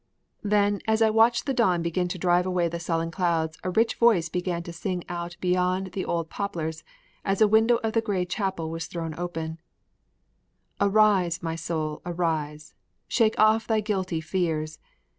Then as I watched the dawn begin to drive away the sullen clouds a rich voice began to sing out beyond the old poplars as a window of the gray chapel was thrown open: "Arise, my soul, arise, Shake off thy guilty fears